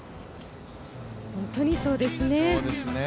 本当にそうですね。